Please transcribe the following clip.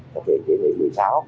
dịch bệnh một mươi sáu